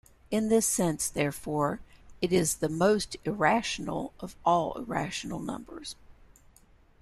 In this sense, therefore, it is the "most irrational" of all irrational numbers.